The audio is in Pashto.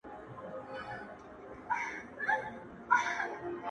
ځينې خلک د پېښې په اړه دعاوې کوي خاموش-